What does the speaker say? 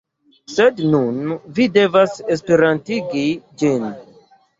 Sed nun, vi devas Esperantigi ĝin.